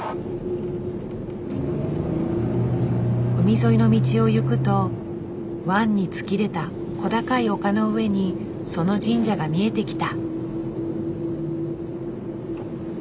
海沿いの道を行くと湾に突き出た小高い丘の上にその神社が見えてきた。